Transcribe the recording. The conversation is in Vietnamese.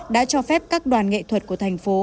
đã cho phép các đoàn nghệ thuật của thành phố